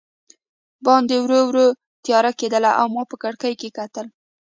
باندې ورو ورو تیاره کېدل او ما په کړکۍ کې کتل.